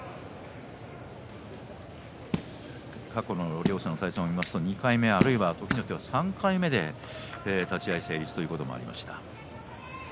過去の両者の対戦を見ますと２回目あるいは３回目で立ち合い成立ということもありました。